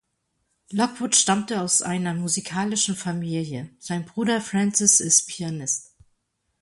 Lockwood stammte aus einer musikalischen Familie; sein Bruder Francis ist Pianist.